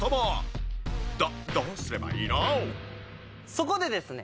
そこでですね